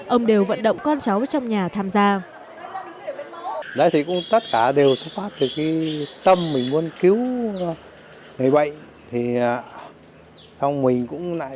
ông đều vận động con cháu trong nhà tham gia